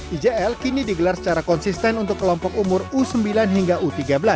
ijl kini digelar secara konsisten untuk kelompok umur u sembilan hingga u tiga belas